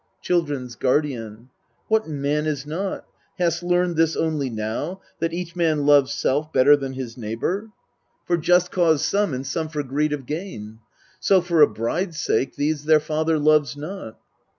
Children's Giiardian. What man is not ? hast learned this only now, That each man loves self better than his neighbour, 1 So Mahaffy, adopted by Paley. 246 EURIPIDES For just cause some, and some for greed of gain? So, for a bride's sake, these their father loves not.